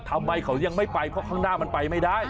ทำไมเขายังไม่ไปเพราะข้างหน้ามันไปไม่ได้